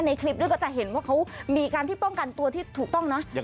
ในคลิปนี้ก็จะเห็นว่าเขามีการที่ป้องกันตัวที่ถูกต้องนะ